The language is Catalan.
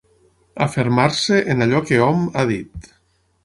Afermar-se en allò que hom ha dit.